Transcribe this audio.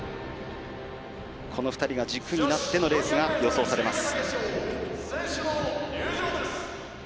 この２人が軸になってのレースが予想されます。